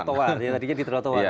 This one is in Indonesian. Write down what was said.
trotoar ya tadinya di trotoar